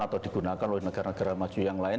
atau digunakan oleh negara negara maju yang lain